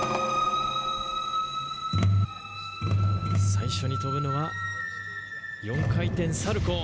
最初に跳ぶのは、４回転サルコー。